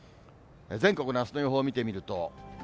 全国のあすの予報見てみると。